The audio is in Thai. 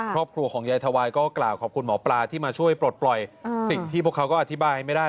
ครอบครัวของยายทวายก็กล่าวขอบคุณหมอปลาที่มาช่วยปลดปล่อยสิ่งที่พวกเขาก็อธิบายไม่ได้